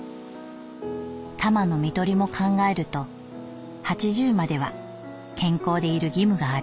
タマの看取りも考えると八十までは健康でいる義務がある。